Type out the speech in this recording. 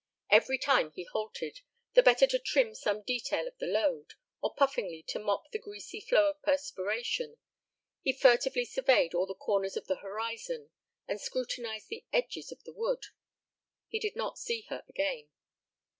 Every time he halted, the better to trim some detail of the load, or puffingly to mop the greasy flow of perspiration, he furtively surveyed all the corners of the horizon and scrutinized the edges of the wood. He did not see her again.